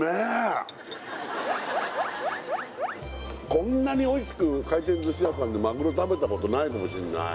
こんなにおいしく回転寿司屋さんでまぐろ食べたことないかもしんない